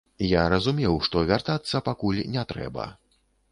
Я разумеў, што вяртацца пакуль не трэба.